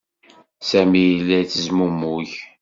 Sami yella yettezmumug.